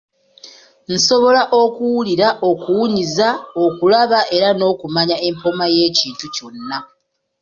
Nsobola okuwulira, okuwunyiriza, okulaba era n'okumanya empooma y'ekintu kyonna.